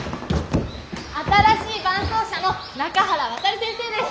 新しい伴奏者の中原航先生です。